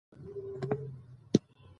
بزګان د افغان تاریخ په کتابونو کې ذکر شوی دي.